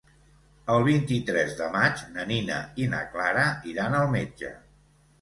El vint-i-tres de maig na Nina i na Clara iran al metge.